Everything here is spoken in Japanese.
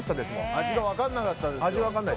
味が分からなかったです。